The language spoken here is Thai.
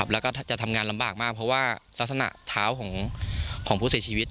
แล้วก็จะทำงานลำบากมากเพราะว่ารักษณะเท้าของผู้เสียชีวิต